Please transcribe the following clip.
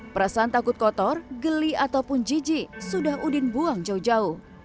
perasaan takut kotor geli ataupun jijik sudah udin buang jauh jauh